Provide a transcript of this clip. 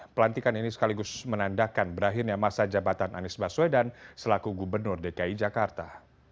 pelantikan ini sekaligus menandakan berakhirnya masa jabatan anies baswedan selaku gubernur dki jakarta